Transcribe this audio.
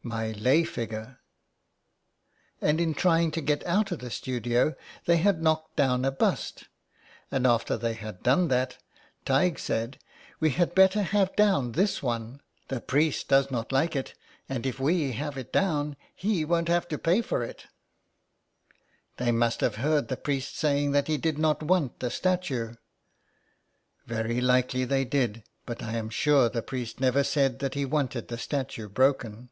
'' ''My lay figure." " And in trying to get out of the studio they had knocked down a bust, and after they had done that Taigdh said :—' We had better have down this one. The priest does not like it, and if we have it down he won't have to pay for it' " 24 IN THE CLAY. " They must have heard the priest saying that he did not want the statue." " Very likely they did, but I am sure the priest never said that he wanted the statue broken."